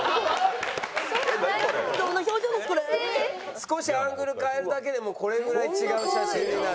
少しアングル変えるだけでもこれぐらい違う写真になる。